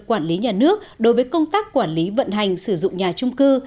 quản lý nhà nước đối với công tác quản lý vận hành sử dụng nhà trung cư